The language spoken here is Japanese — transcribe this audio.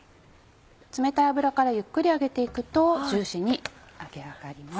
冷たい油からゆっくり揚げていくとジューシーに揚げ上がります。